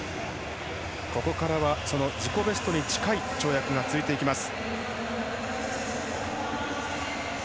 ここからは、その自己ベストに近い跳躍が続いていきます。